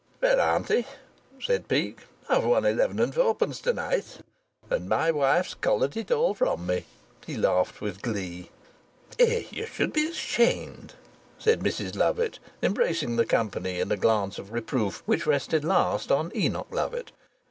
"Well, auntie," said Peake, "I've won eleven and fourpence to night, and my wife's collared it all from me." He laughed with glee. "Eh, you should be ashamed!" said Mrs Lovatt, embracing the company in a glance of reproof which rested last on Enoch Lovatt.